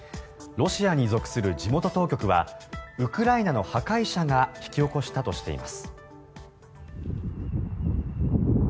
ロシアに属する地元当局はウクライナの破壊者が引き起こしたとしています。